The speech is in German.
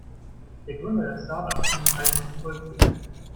Der Gründer des Startups kann den Hals nicht voll kriegen.